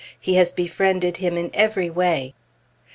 He has befriended him in every way.